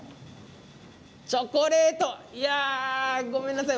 チョコレートごめんなさい